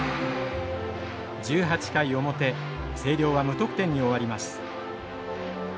１８回表星稜は無得点に終わります。